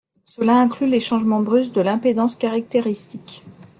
Cela inclut les changements brusques de l'impédance caractéristique.